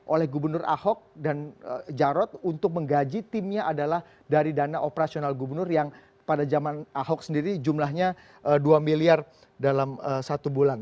oleh gubernur ahok dan jarot untuk menggaji timnya adalah dari dana operasional gubernur yang pada zaman ahok sendiri jumlahnya dua miliar dalam satu bulan